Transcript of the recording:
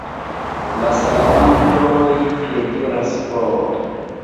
La salamandroj piediras for.